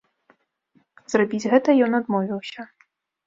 Зрабіць гэта ён адмовіўся.